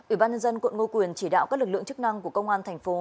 ủy ban nhân dân quận ngô quyền chỉ đạo các lực lượng chức năng của công an thành phố